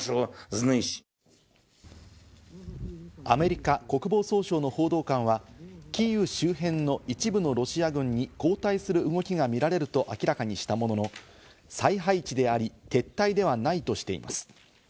アメリカ国防総省の報道官はキーウ周辺の一部のロシア軍に後退する動きが見られると明らかにしたものの、再配置であり、撤退ではないとしています。